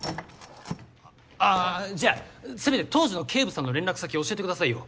あぁじゃあせめて当時の警部さんの連絡先教えてくださいよ。